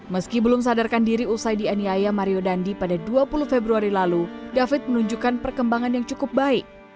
meski belum sadarkan diri usai dianiaya mario dandi pada dua puluh februari lalu david menunjukkan perkembangan yang cukup baik